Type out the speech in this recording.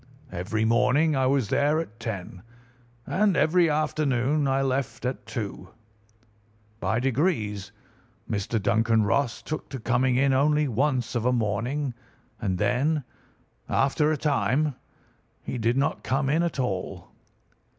Every morning I was there at ten, and every afternoon I left at two. By degrees Mr. Duncan Ross took to coming in only once of a morning, and then, after a time, he did not come in at all.